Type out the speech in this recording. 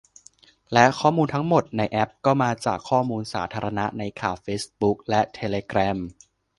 และข้อมูลทั้งหมดในแอปก็มาจากข้อมูลสาธารณะในข่าว เฟซบุ๊ก และเทเลแกรม